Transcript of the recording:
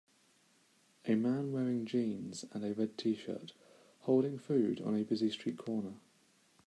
A man wearing jeans and a red tshirt holding food on a busy street corner.